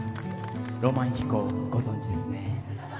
『浪漫飛行』ご存じですね。